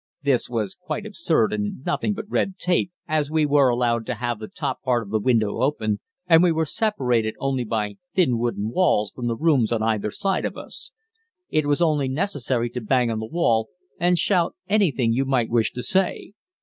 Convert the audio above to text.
This was quite absurd and nothing but red tape, as we were allowed to have the top part of the window open and we were separated only by thin wooden walls from the rooms on either side of us. It was only necessary to bang on the wall and shout anything you might wish to say.